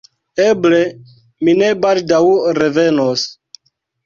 Eble, mi ne baldaŭ revenos.